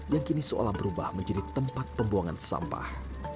yang kini seolah berubah menjadi tempat pembuangan sampah